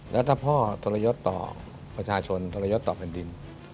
แล้วถ้าพ่อทรยศต่อประชาชนทรยศต่อแผ่นดิน